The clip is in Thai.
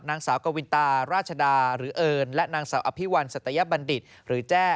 นางสาวกวินตาราชดาหรือเอิญและนางสาวอภิวัลสัตยบัณฑิตหรือแจ้